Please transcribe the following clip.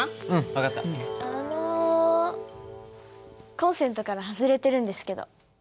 コンセントから外れてるんですけど。